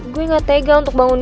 gue gak tegal untuk bangunin lo